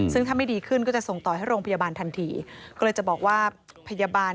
ซึ่งถ้าไม่ดีขึ้นก็จะส่งต่อให้โรงพยาบาลทันทีก็เลยจะบอกว่าพยาบาล